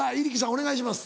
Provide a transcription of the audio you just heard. お願いします。